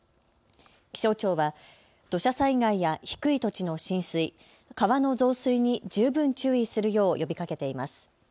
気象庁は土砂災害や低い土地の浸水、川の増水に十分注意するよう呼びかけています。